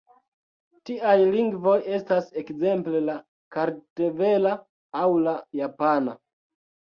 Tiaj lingvoj estas ekzemple la kartvela aŭ la japana.